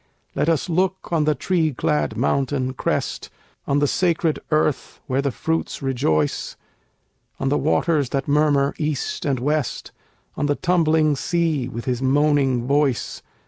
Let us look on the tree clad mountain crest, On the sacred earth where the fruits rejoice, On the waters that murmur east and west, On the tumbling sea with his moaning voice.